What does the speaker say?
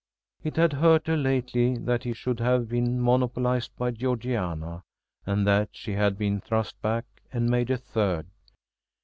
It had hurt her lately that he should have been monopolised by Georgiana and that she had been thrust back and made a third.